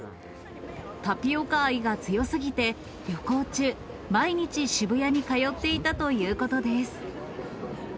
タピオカ愛が強すぎて、旅行中、毎日渋谷に通っていたということです。